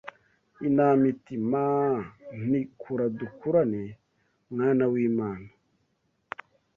Intama iti Maaa nti Kura dukurane mwana w’Imana